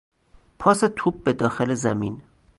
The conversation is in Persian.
پاس توپ به داخل زمین